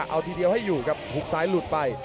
เอาทีเดียวให้อยู่ครับหุบซ้ายหลุดไป